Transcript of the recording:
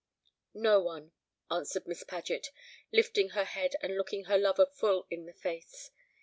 "No one," answered Miss Paget, lifting her head, and looking her lover full in the face.